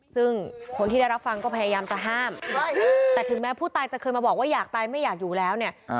ซึ่งคนที่ได้รับฟังก็พยายามจะห้ามแต่ถึงแม้ผู้ตายจะเคยมาบอกว่าอยากตายไม่อยากอยู่แล้วเนี่ย